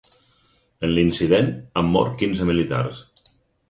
En l’incident han mort quinze militars.